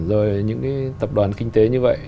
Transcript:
rồi những cái tập đoàn kinh tế như vậy